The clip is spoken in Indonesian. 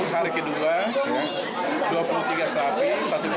hari kedua dua puluh tiga sapi satu ekor kambing